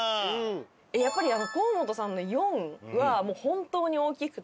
やっぱり河本さんの「４」はもう本当に大きくて。